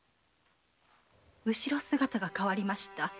後ろ姿が変わりました。